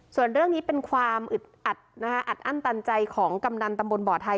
ส่วนเรื่องนี้เป็นความอึดอัดนะคะอัดอั้นตันใจของกำนันตำบลบ่อไทย